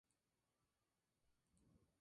Anida en agujeros de árboles grandes.